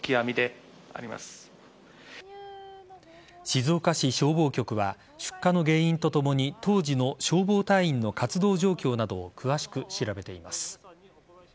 静岡市消防局は出火の原因とともに、当時の消防隊員の活動状況などを詳しく調べています。